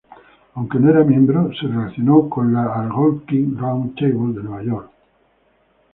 Aunque no era miembro, se relacionó con la "Algonquin Round Table" de Nueva York.